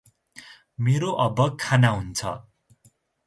मेरो अब खाना हुन्छ ।